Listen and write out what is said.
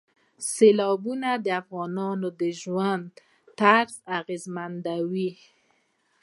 سیلابونه د افغانانو د ژوند طرز اغېزمنوي.